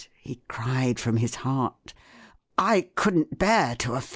" he cried, from his heart " I couldn't bear to offend you.